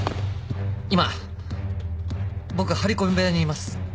今僕張り込み部屋にいます。